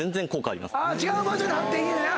違う場所に貼っていいねんな。